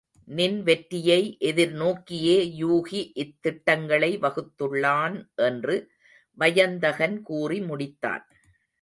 நின் வெற்றியை எதிர் நோக்கியே யூகி இத் திட்டங்களை வகுத்துள்ளான் என்று வயந்தகன் கூறி முடித்தான்.